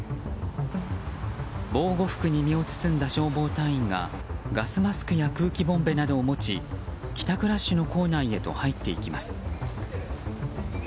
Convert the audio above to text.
防護服に身を包んだ消防隊員がガスマスクや空気ボンベなどを持ち帰宅ラッシュの構内へと入っていきます。